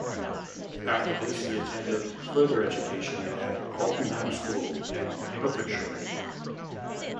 After this, he attended further education at Aldenham School in Hertfordshire.